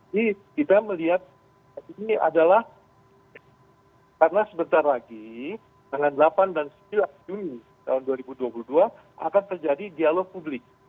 jadi kita melihat ini adalah karena sebentar lagi dengan delapan dan sembilan juni tahun dua ribu dua puluh dua akan terjadi dialog publik